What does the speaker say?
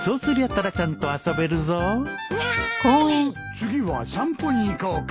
次は散歩に行こうか？